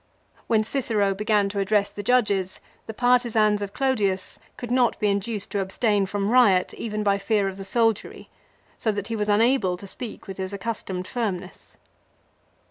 When Cicero began to address the judges, the partisans of Clodius could not be induced to abstain from riot even by fear of the soldiery; so that he was unable to speak with his accustomed firmness.